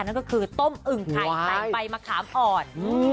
นั่นก็คือต้มอึ่งไข่ใส่ใบมะขามอ่อน